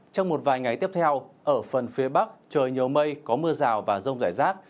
trong một vài ngày tiếp theo ở phần phía bắc trời nhiều mây có mưa rào và rông rải rác